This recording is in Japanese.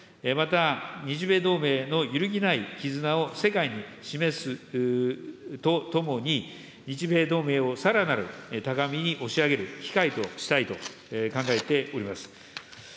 また、日米同盟の揺るぎない絆を世界に示すとともに、日米同盟をさらなる高みに押し上げる機会としたいと考えております。